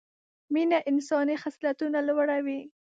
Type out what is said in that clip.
مینه انساني خصلتونه لوړه وي